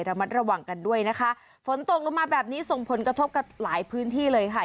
ระมัดระวังกันด้วยนะคะฝนตกลงมาแบบนี้ส่งผลกระทบกับหลายพื้นที่เลยค่ะ